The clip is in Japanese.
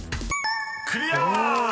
［クリア！］